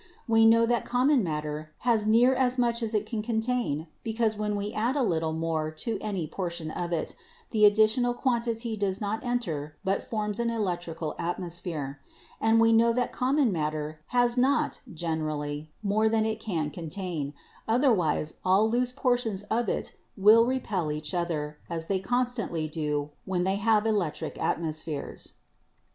We know that common matter has near as much as it can contain because when we add a little more to any portion of it, the additional quantity does not enter but forms an electrical atmosphere. And we know that common matter has not (generally) more than it can contain, otherwise all loose portions of it would repel each other as they constantly do when they have electric atmospheres.